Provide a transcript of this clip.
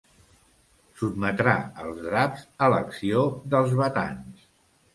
Sotmetrà els draps a l'acció dels batans.